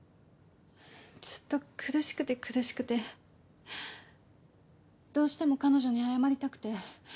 ずっと苦しくて苦しくてどうしても彼女に謝りたくて。